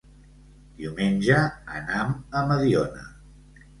Diumenge anam a Mediona.